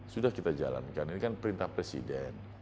sudah kita jalankan ini kan perintah presiden